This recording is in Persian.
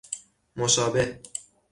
مشابه